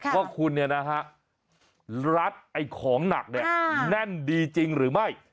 ว่าคุณรัดของหนักเนี่ยแน่นดีจริงหรือไม่